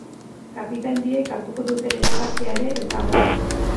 Kapitain biek hartuko duten erabakia ere ez dago argi.